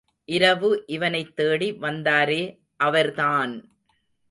இரவு இவனைத் தேடி வந்தாரே அவர்தான்!